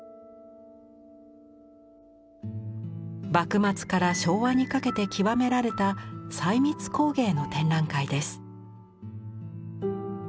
幕末から昭和にかけて極められた細密工芸の展覧会です。